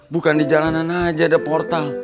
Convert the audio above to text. bukan di jalanan aja ada portal